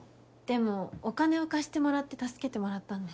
でもお金を貸してもらって助けてもらったんで。